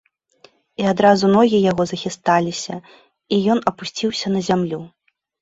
І адразу ногі яго захісталіся, і ён апусціўся на зямлю.